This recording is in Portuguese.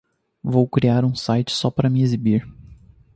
Vou criar um site só para me exibir!